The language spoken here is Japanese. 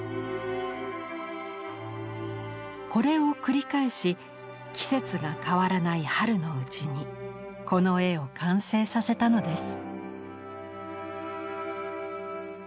これを繰り返し季節が変わらない春のうちにこの絵を完成させたのです。